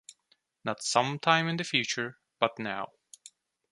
Not sometime in the future, but now.